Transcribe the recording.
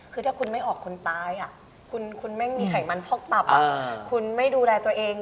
คือถ้าคุณไม่ออกคนตายคุณไม่มีไขมันพอกตับคุณไม่ดูแลตัวเอง